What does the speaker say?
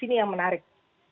di sini yang menarik